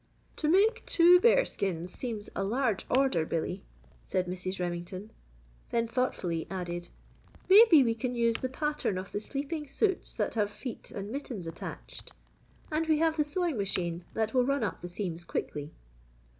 "To make two bear skins seems a large order, Billy," said Mrs. Remington. Then thoughtfully, added, "Maybe we can use the pattern of the sleeping suits that have feet and mittens attached! And we have the sewing machine that will run up the seams quickly."